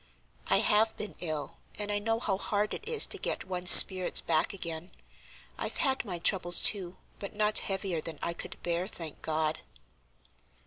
"I have been ill, and I know how hard it is to get one's spirits back again. I've had my troubles, too, but not heavier than I could bear, thank God."